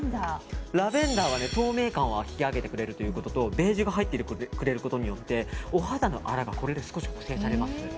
ラベンダーは透明感を引き上げてくれるということとベージュが入ってることによってお肌の荒らがこれで少し補正されます。